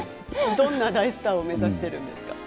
どんな大スターを目指しているんですか？